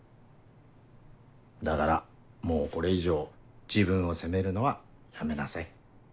だからもうこれ以上自分を責めるのはやめなさい。